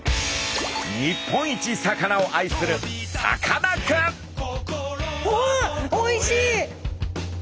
日本一魚を愛するおおおいしい！